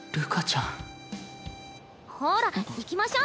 ほら行きましょ。